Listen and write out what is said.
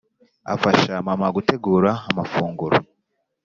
afasha mama gutegura amafunguro